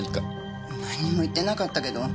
何も言ってなかったけど。